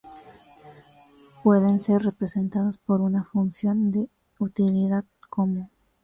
Pueden ser representados por una función de utilidad como.